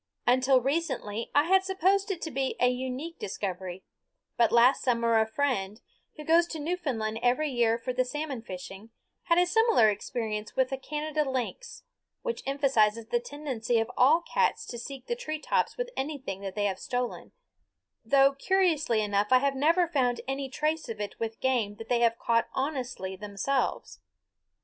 Until recently I had supposed it to be a unique discovery; but last summer a friend, who goes to Newfoundland every year for the salmon fishing, had a similar experience with a Canada lynx, which emphasizes the tendency of all cats to seek the tree tops with anything that they have stolen; though curiously enough I have never found any trace of it with game that they had caught honestly themselves.